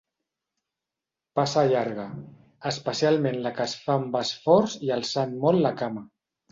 Passa llarga, especialment la que es fa amb esforç i alçant molt la cama.